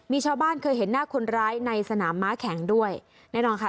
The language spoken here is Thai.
มีชาวบ้านเคยเห็นหน้าคนร้ายในสนามม้าแข็งด้วยแน่นอนค่ะ